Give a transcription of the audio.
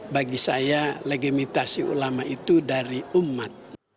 bagi saya legemitasi ulama itu dari umat